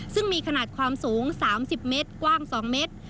ซึ่งมีขนาดความสูง๓๐เมตรกว้าง๒เมตร